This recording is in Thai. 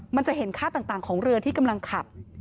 มันจะเห็นค่าต่างของเรือที่กำลังขับ